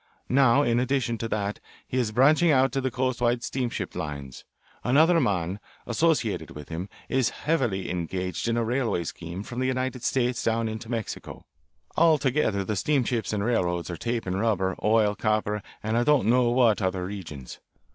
Now in addition to that he is branching out into coastwise steamship lines; another man associated with him is heavily engaged in a railway scheme from the United States down into Mexico. Altogether the steamships and railroads are tapping rubber, oil, copper, and I don't know what other regions.